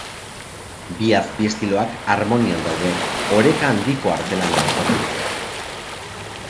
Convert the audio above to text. Bi azpi-estiloak harmonian daude, oreka handiko artelana osatuz.